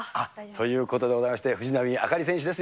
ということでございまして、藤波朱理選手です。